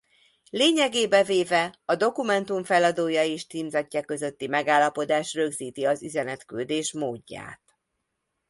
Lényegébe véve a dokumentum feladója és címzettje közötti megállapodás rögzíti a üzenetküldés módját.